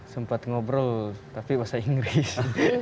sempat ngobrol tapi bahasa inggris